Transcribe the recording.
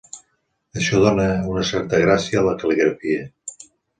Això dóna una certa gràcia a la cal·ligrafia.